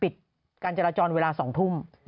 ปิดการจราจรเวลา๒ทุ่ม